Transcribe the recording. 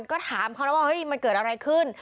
ก็ถามเขานะว่าเฮ้ยมันเกิดอะไรขึ้น